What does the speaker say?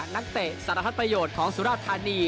นักเตะสารพัดประโยชน์ของสุราธานี